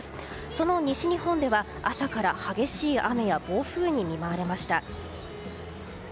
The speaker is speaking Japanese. その西日本では朝から激しい雨や暴風に見舞われました。